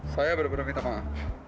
saya benar benar minta maaf